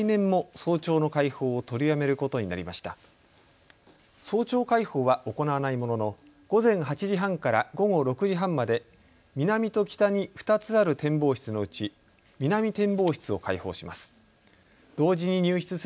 早朝開放は行わないものの午前８時半から午後６時半まで南と北に２つある展望室のうち南展望室を開放します。